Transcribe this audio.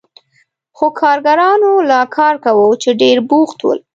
خو کارګرانو لا کار کاوه چې ډېر بوخت ول.